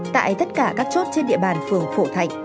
tại tất cả các chốt trên địa bàn phường phổ thạnh